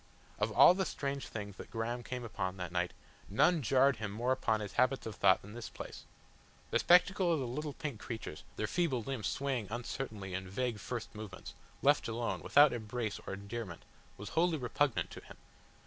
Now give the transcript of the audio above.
Of all the strange things that Graham came upon that night, none jarred more upon his habits of thought than this place. The spectacle of the little pink creatures, their feeble limbs swaying uncertainly in vague first movements, left alone, without embrace or endearment, was wholly repugnant to him.